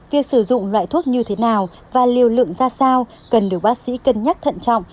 việc sử dụng loại thuốc như thế nào và liều lượng ra sao cần được bác sĩ cân nhắc thận trọng